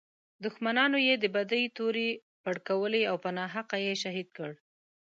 دښمنانو یې د بدۍ تورې پړکولې او په ناحقه یې شهید کړ.